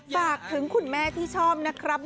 ฝากถึงคุณแม่ที่ชอบนะครับ